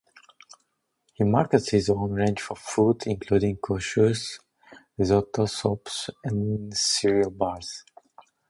He markets his own range of food, including couscous, risotto, soups and cereal bars.